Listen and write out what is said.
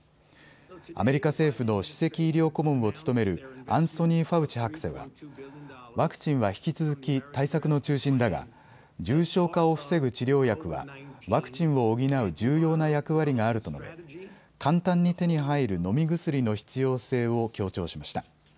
アメリカ政府の首席医療顧問を務めるアンソニー・ファウチ博士はワクチンは引き続き対策の中心だが重症化を防ぐ治療薬はワクチンを補う重要な役割があると述べ簡単に手に入る飲み薬の必要性を強調しました。